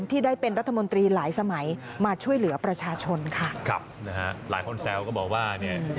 ที่ได้เป็นรัฐมนตรีหลายสมัยมาช่วยเหลือประชาชนค่ะ